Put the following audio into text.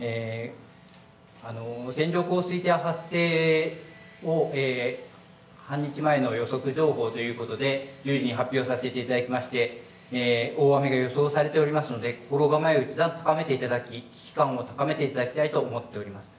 線状降水帯発生半日前の予測情報ということで１０時に発表させていただきまして大雨が予想されていますので心構えを一段と高めていただき危機感を高めていただきたいと思います。